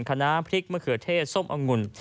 คณะพริกมะเขือเทศส้มองุ่น